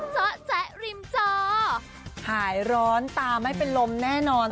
เจาะแจ๊ะริมจอหายร้อนตาไม่เป็นลมแน่นอน